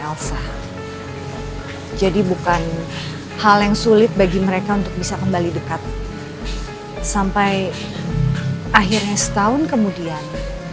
elsa jadi bukan hal yang sulit bagi mereka untuk bisa kembali dekat sampai akhirnya setahun kemudian